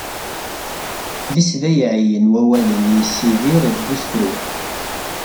d isbayɛiyen wawalen i yessidir deg usefru